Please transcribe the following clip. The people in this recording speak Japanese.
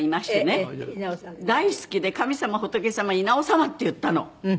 大好きで「神様仏様稲尾様」って言ったの。